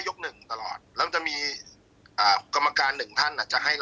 อย่างนั้น